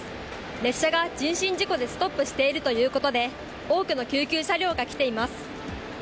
列車が人身事故でストップしているということで多くの救急車両が来ています。